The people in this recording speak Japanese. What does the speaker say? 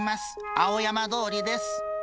青山通りです。